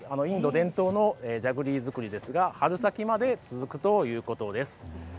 インド伝統のジャグリー作りですが春先まで続くということです。